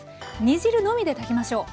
煮汁のみで炊きましょう。